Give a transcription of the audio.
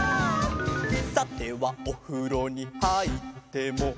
「さてはおふろにはいっても」